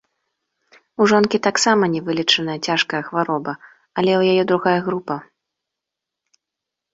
У жонкі таксама невылечная цяжкая хвароба, але ў яе другая група.